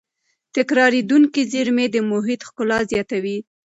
تکرارېدونکې زېرمې د محیط ښکلا زیاتوي.